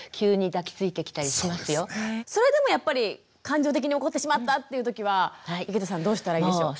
それでもやっぱり感情的に怒ってしまったっていうときは井桁さんどうしたらいいでしょう？